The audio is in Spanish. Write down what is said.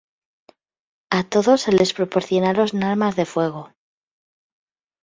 A todos se les proporcionaron armas de fuego.